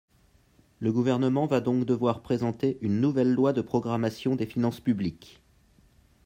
Le Gouvernement va donc devoir présenter une nouvelle loi de programmation des finances publiques.